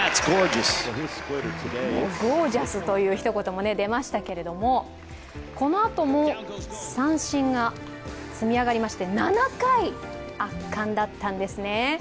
「ゴージャス」というひと言も出ましたけれどもこのあとも三振が積み上がりまして、７回圧巻だったんですね。